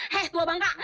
hei tua bangka